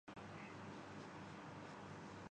of شور کمپنیوں کی ملکیت‘